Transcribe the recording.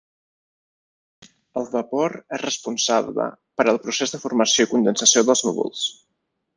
El vapor és responsable per al procés de formació i condensació dels núvols.